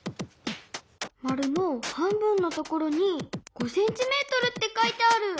まるの半分のところに５ｃｍって書いてある。